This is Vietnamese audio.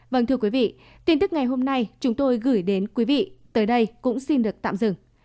vâng thưa quý vị tin tức ngày hôm nay chúng tôi gửi đến quý vị tới đây cũng xin được tạm dừng